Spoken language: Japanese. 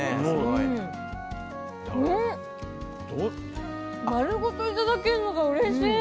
まるごと頂けるのがうれしい。